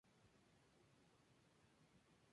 La mayoría de sus obras se encuentran escritas en latín.